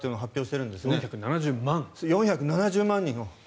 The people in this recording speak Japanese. ４７０万人を。